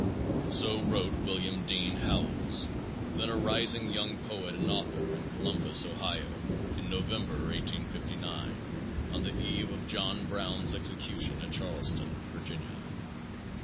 So wrote William Dean Howells, then a rising young poet and author in Columbus, Ohio, in November, 1859, on the eve of John Brown's execution at Charleston, Va.